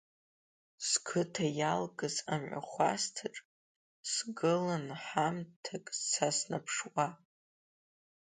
Сқыҭа иалгаз амҩахәасҭаҿ, сгылан ҳамҭак са снаԥшуа.